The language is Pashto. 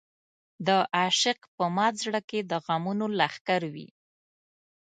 د عاشق په مات زړه کې د غمونو لښکر وي.